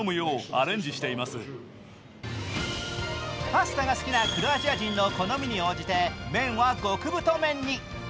パスタが好きなクロアチア人の好みに応じて麺は極太面に。